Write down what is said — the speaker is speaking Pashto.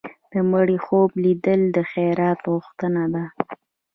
د مړي خوب لیدل د خیرات غوښتنه ده.